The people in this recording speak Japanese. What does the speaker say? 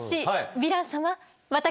ヴィラン様